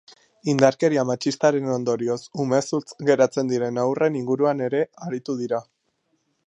Indarkeria matxistaren ondorioz umezurtz geratzen diren haurren inguruan ere aritu dira.